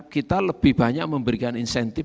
kita lebih banyak memberikan insentif